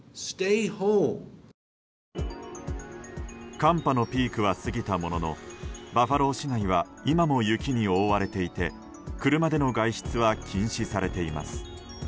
寒波のピークは過ぎたもののバファロー市内は今も雪に覆われていて車での外出は禁止されています。